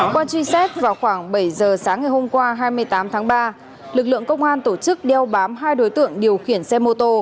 qua truy xét vào khoảng bảy giờ sáng ngày hôm qua hai mươi tám tháng ba lực lượng công an tổ chức đeo bám hai đối tượng điều khiển xe mô tô